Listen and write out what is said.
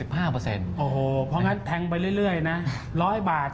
เพราะงั้นแทงไปเรื่อยนะ๑๐๐บาท